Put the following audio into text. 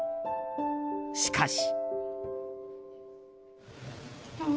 しかし。